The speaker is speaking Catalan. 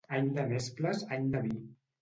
Any de nesples, any de vi.